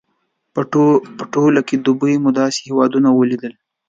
په ټوله دوبي کې مو داسې هوا نه وه لیدلې.